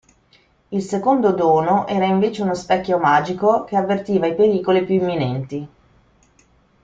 Il secondo dono era invece uno specchio magico che avvertiva i pericoli più imminenti.